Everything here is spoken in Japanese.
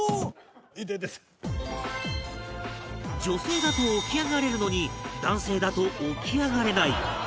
女性だと起き上がれるのに男性だと起き上がれない